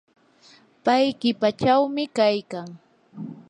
pay qipachawmi kaykan.